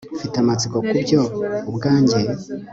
Mfite amatsiko kubyo ubwanjye